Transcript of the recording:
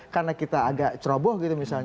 karena kita agak ceroboh gitu misalnya